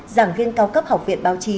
giảng viên cao cấp học viện báo chí